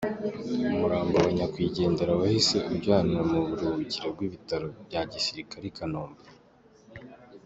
Umurambo wa nyakwigendera wahise ujyanwa mu buruhukiro bw’Ibitaro bya Gisirikare i Kanombe.